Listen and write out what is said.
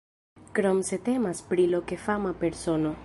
Krom se temas pri loke fama persono.